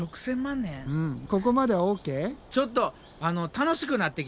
ちょっと楽しくなってきた。